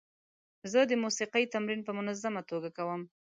زه د موسیقۍ تمرین په منظمه توګه کوم.